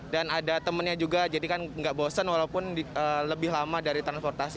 dan ada temennya juga jadi kan nggak bosen walaupun lebih lama dari transportasi